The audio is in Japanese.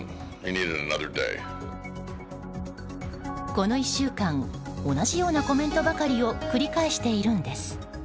この１週間同じようなコメントばかりを繰り返しているんです。